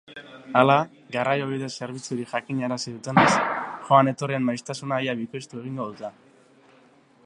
Hala, garraiobide zerbitzutik jakinarazi dutenez, joan-etorrien maiztasuna ia bikoiztu egingo dute.